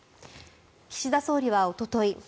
岸田総理はおととい